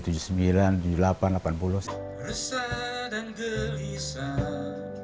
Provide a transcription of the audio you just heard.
rasa dan gelisah menunggu di sini